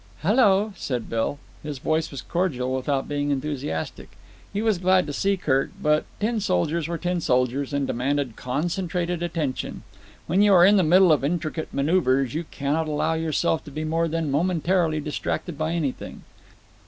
"Hello," said Bill. His voice was cordial without being enthusiastic. He was glad to see Kirk, but tin soldiers were tin soldiers and demanded concentrated attention. When you are in the middle of intricate manoeuvres you cannot allow yourself to be more than momentarily distracted by anything.